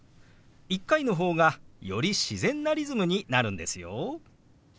１回の方がより自然なリズムになるんですよ。